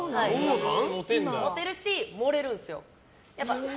モテるし盛れるんですよ。